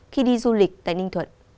khi đi du lịch tại ninh thuận